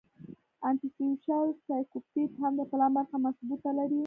انټي سوشل سايکوپېت هم د پلان برخه مضبوطه لري